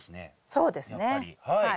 そうですねはい。